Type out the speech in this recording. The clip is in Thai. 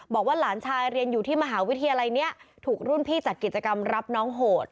บอกว่าหลานชายเรียนอยู่ที่มหาวิทยาลัยนี้ถูกรุ่นพี่จัดกิจกรรมรับน้องโหด